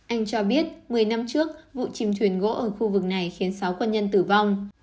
anh cho biết một mươi năm trước vụ chìm thuyền gỗ ở khu vực này khiến sáu quân nhân tử vong